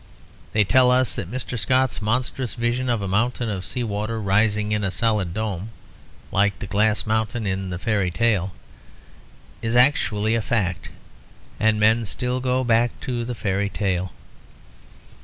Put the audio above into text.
They tell us that Mr. Scott's monstrous vision of a mountain of sea water rising in a solid dome, like the glass mountain in the fairy tale, is actually a fact, and men still go back to the fairy tale.